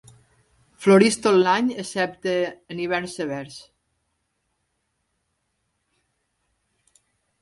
Floreix tot l'any excepte en hiverns severs.